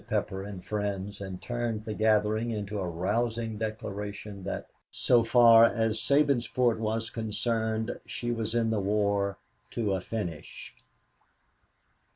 Pepper and friends and turned the gathering into a rousing declaration that, so far as Sabinsport was concerned, she was in the war to a finish.